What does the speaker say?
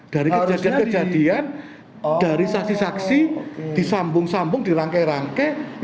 dari kejadian kejadian dari saksi saksi disambung sambung di rangkaian rangkaian